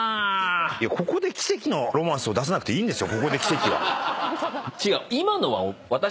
ここで奇跡のロマンスを出さなくていいんですよ。